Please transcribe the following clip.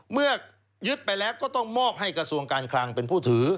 เมื่อยึดไปแล้วก็ต้องมอบให้กระทรวงการคลังเป็นผู้ถือ